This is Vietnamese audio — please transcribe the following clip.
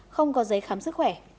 không có giấy khám sức khỏe